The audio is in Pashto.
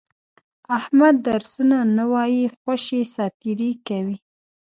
احمد درسونه نه وایي، خوشې ساتېري کوي.